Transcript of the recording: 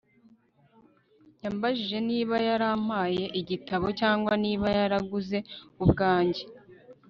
yambajije niba yarampaye igitabo, cyangwa niba naraguze ubwanjye